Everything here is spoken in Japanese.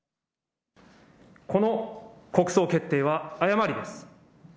この国葬決定は誤りです。